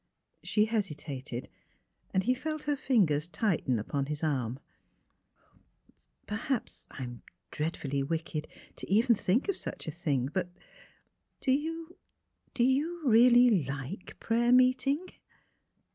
" She hesitated, and he felt her fingers tighten upon his arm. " Perhaps I'm dreadfully wicked to even think of such a thing ; but — do you — really like — prayer meeting?